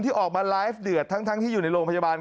ออกมาไลฟ์เดือดทั้งที่อยู่ในโรงพยาบาล